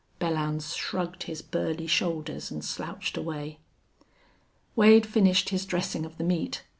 Belllounds shrugged his burly shoulders and slouched away. Wade finished his dressing of the meat.